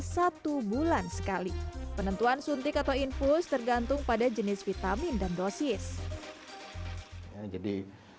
satu bulan sekali penentuan suntik atau infus tergantung pada jenis vitamin dan dosis jadi